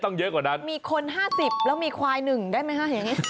งั้นต้องมีคนห้าสิบแล้วมีควายหนึ่งได้ไหมฮะ